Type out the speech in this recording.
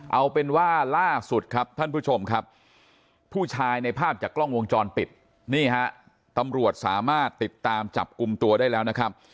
เอาเป็นว่าล่าสุดครับท่านผู้ชมครับผู้ชายในภาพจากกล้องวงจรปิดนี่ฮะตำรวจสามารถติดตามจับกลุ่มตัวได้แล้วนะครับ